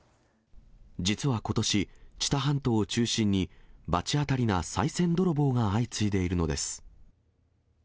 実はことし、知多半島を中心に、罰当たりなさい銭泥棒が相次いでいるのです。